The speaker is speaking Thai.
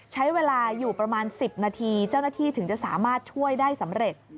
ใช้เวลาอยู่ประมาณ๑๐นาทีเจ้าหน้าที่ถึงจะสามารถช่วยได้สำเร็จ